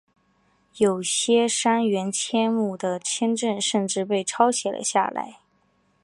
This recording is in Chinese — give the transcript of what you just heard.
有些杉原千亩的签证甚至被抄写了下来。